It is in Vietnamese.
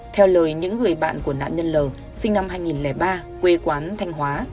theo lời những người bạn của nạn nhân l sinh năm hai nghìn ba